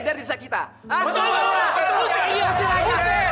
dia akan mengedah desa kita